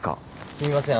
すみません。